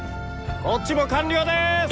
こっちも完了です！